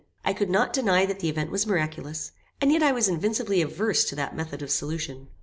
I could not deny that the event was miraculous, and yet I was invincibly averse to that method of solution.